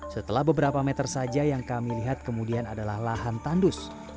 setelah beberapa meter saja yang kami lihat kemudian adalah lahan tandus